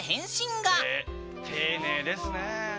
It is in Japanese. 丁寧ですねえ。